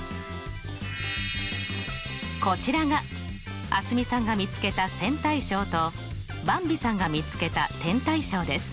こちらが蒼澄さんが見つけた線対称とばんびさんが見つけた点対称です。